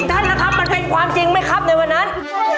ท่านนะครับมันเป็นความจริงไหมครับในวันนั้น